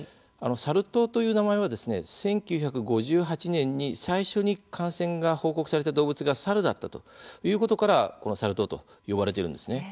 サル痘という名前は１９５８年に最初に感染が報告された動物がサルだったということからサル痘と呼ばれているんですね。